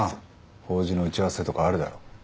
法事の打ち合わせとかあるだろ。